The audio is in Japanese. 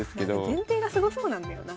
前提がすごそうなんだよな。